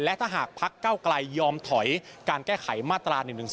และถ้าหากพักเก้าไกลยอมถอยการแก้ไขมาตรา๑๑๒